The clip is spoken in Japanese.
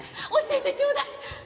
教えてちょうだい！